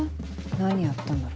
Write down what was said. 何やったんだろ。